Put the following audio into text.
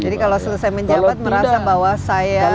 jadi kalau selesai menjabat merasa bahwa saya sesuai dengan janji